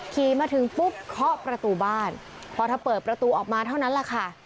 ขี่มาถึงปุ๊บเคาะประตูบ้านพอถ้าเปิดประตูออกมาเท่านั้นแหละค่ะ